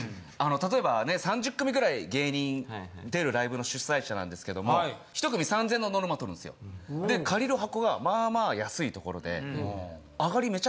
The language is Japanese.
あの例えばね３０組くらい芸人出るライブの主催者なんですけども１組３０００円のノルマ取るんですよ。で借りる箱がまあまあ安いところであがり